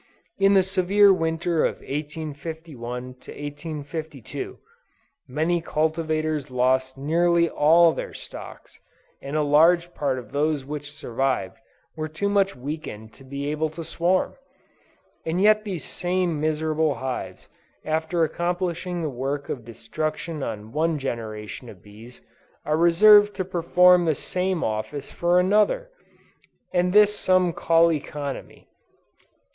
In the severe winter of 1851 2, many cultivators lost nearly all their stocks, and a large part of those which survived, were too much weakened to be able to swarm. And yet these same miserable hives, after accomplishing the work of destruction on one generation of bees, are reserved to perform the same office for another. And this some call economy!